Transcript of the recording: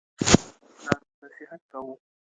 پلار نصیحت کاوه.